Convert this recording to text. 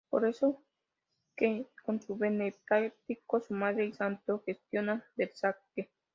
Es por esto que, con su beneplácito, su madre y Santo gestionan Versace.